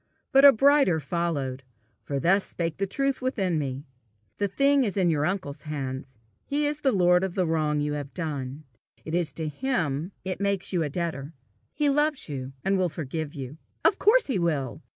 But a brighter followed; for thus spake the truth within me: "The thing is in your uncle's hands; he is the lord of the wrong you have done; it is to him it makes you a debtor: he loves you, and will forgive you. Of course he will!